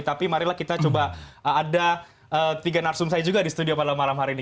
tapi marilah kita coba ada tiga narasum saya juga di studio pada malam hari ini